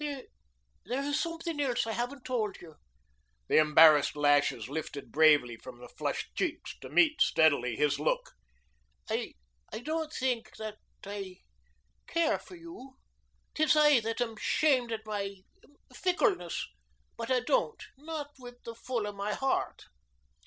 "There is something else I haven't told you." The embarrassed lashes lifted bravely from the flushed cheeks to meet steadily his look. "I don't think that I care for you. 'Tis I that am shamed at my fickleness. But I don't not with the full of my heart."